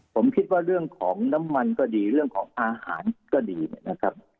ผมคิดว่าเรื่องของน้ำมันก็ดีเรื่องของอาหารก็ดีนะครับ